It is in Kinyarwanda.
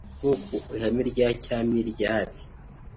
nk’uko ihame rya Cyami ryari